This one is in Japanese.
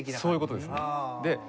そういう事ですね。